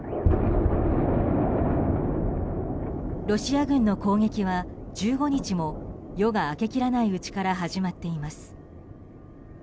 ロシア軍の攻撃は、１５日も夜が明けきらないうちから始まっています。